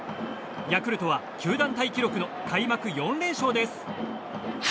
ヤクルトは球団タイ記録の開幕４連勝です。